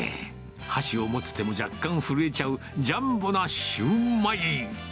箸を持つ手も若干震えちゃう、ジャンボなしゅうまい。